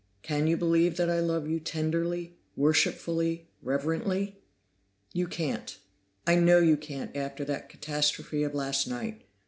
Can you believe that I love you tenderly, worshipfully reverently? "You can't; I know you can't after that catastrophe of last night.